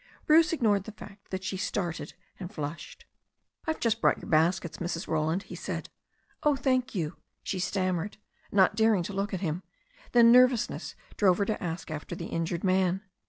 Bruce ig nored the fact that she started and flushed. I've just brought your baskets, Mrs. Roland," he said. ^Oh, thank you," she stammered, not daring to look at him. Then nervousness drove her to ask after the injured man.